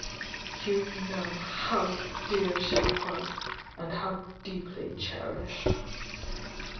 'You know how dear she was and how deep ly cherished